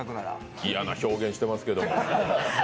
嫌な表現をしてますけれども。